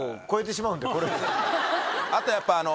あとやっぱ。